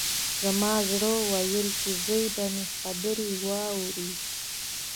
زما زړه ويل چې زوی به مې خبرې واوري.